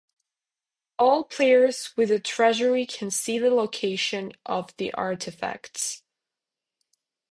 All players with a treasury can see the locations of the artefacts.